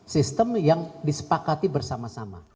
sistem yang disepakati bersama sama